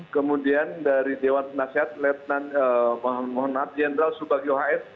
kemudian dari dewan nasihat latenan mohon nafi endral sebagainya